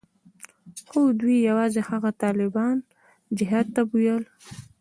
خو دوى يوازې هغه طالبان جهاد ته بيول.